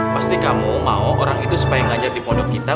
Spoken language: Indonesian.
pasti kamu mau orang itu supaya mengajar di pondok kita